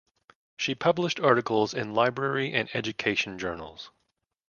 She published articles in library and education journals.